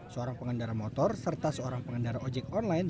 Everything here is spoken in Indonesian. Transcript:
seorang pengendara motor serta seorang pengendara ojek online